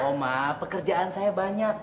oma pekerjaan saya banyak